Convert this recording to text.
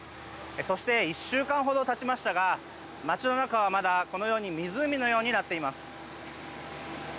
そして１週間ほどたちましたが街の中はまだこのように湖のようになっています。